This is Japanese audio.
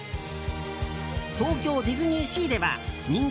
東京ディスニーシーでは人気